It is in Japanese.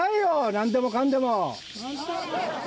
何でもかんでも。